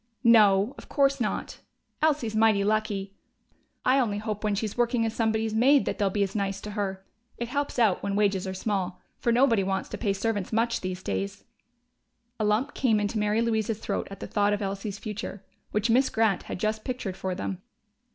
"No, of course not. Elsie's mighty lucky.... I only hope when she's working as somebody's maid that they'll be as nice to her. It helps out, when wages are small. For nobody wants to pay servants much these days." A lump came into Mary Louise's throat at the thought of Elsie's future, which Miss Grant had just pictured for them.